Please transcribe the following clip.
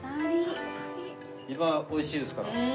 今美味しいですから。